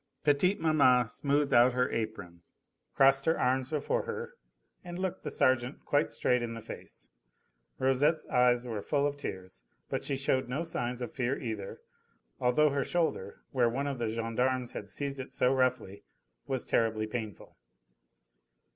Petite maman smoothed out her apron, crossed her arms before her, and looked the sergeant quite straight in the face. Rosette's eyes were full of tears, but she showed no signs of fear either, although her shoulder where one of the gendarmes had seized it so roughly was terribly painful.